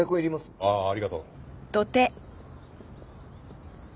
ああありがとう。